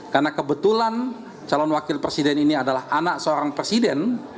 karena kebetulan calon wakil presiden ini adalah anak seorang presiden